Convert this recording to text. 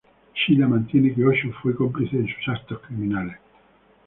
Shila mantiene que Osho fue cómplice en sus actos criminales.